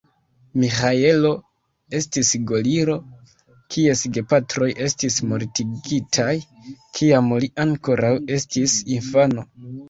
Miĥaelo estis gorilo, kies gepatroj estis mortigitaj, kiam li ankoraŭ estis infano.